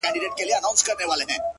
o حتمآ به ټول ورباندي وسوځيږي،